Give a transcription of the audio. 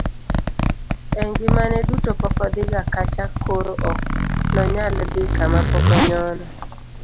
e ngimane duto pok odhi ga kacha koro ok nonyal dhi kama pok onyono